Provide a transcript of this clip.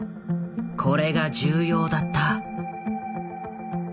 これが重要だった。